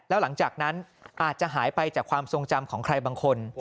แล้วหลังจากนั้นอาจจะหายไปจากความทรงจำของใครบางคน